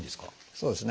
そうですね。